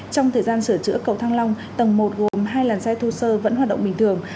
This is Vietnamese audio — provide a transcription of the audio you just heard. trong thời gian sửa chữa cầu thăng long tầng một gồm hai làn xe thô sơ vẫn hoạt động bình thường